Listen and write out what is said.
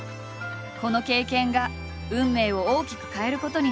この経験が運命を大きく変えることになる。